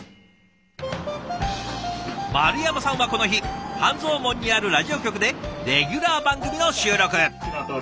丸山さんはこの日半蔵門にあるラジオ局でレギュラー番組の収録。